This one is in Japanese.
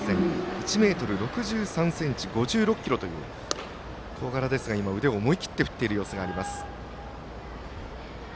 １ｍ６３ｃｍ、５６ｋｇという小柄ですが腕を思い切って振っている様子がありました。